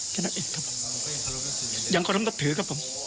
แค่นั้นเองครับยังเคารพนับถือครับผม